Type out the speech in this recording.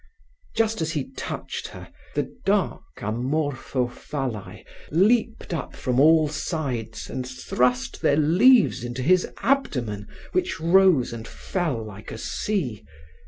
Just as he touched her, the dark Amorphophalli leaped up from all sides and thrust their leaves into his abdomen which rose and fell like a sea.